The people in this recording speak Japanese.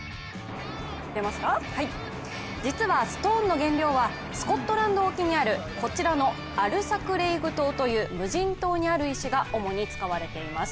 実はストーンの原料は、スコットランド沖にあるこちらのアルサクレイグ島という無人島にある石が主に使われています。